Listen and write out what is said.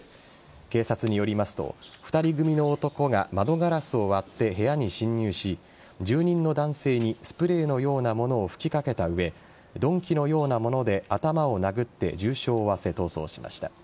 警察によりますと２人組の男が窓ガラスを割って部屋に侵入し住人の男性にスプレーのようなものを吹きかけた上鈍器のようなもので頭を殴って重傷を負わせ逃走しました。